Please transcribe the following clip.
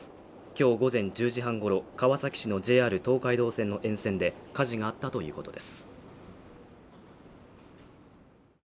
今日午前１０時半ごろ川崎市のＪＲ東海道線の沿線で火事があったということです